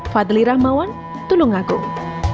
fadli rahmawan tulungagung